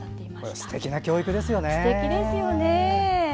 すてきな教育ですよね。